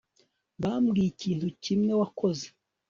Bambwiye ikintu kimwe wakoze